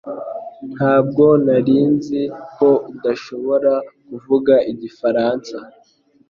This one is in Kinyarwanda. Ntabwo nari nzi ko udashobora kuvuga igifaransa